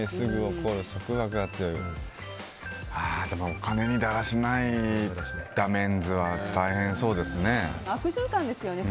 お金にだらしないダメンズは大変そうですね。